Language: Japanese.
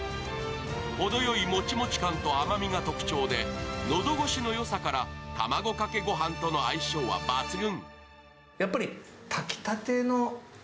程良いもちもち感と甘みが特徴で喉越しのよさから卵かけご飯との相性は抜群。